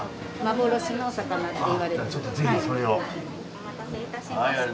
お待たせいたしました。